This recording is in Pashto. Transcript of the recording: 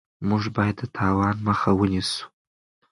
موږ باید د تاوان مخه ونیسو.